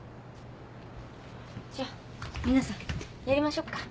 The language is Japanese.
じゃあミナさんやりましょっか。